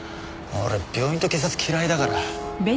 俺病院と警察嫌いだから。